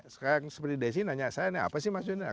seperti di sini nanya saya ini apa sih maksudnya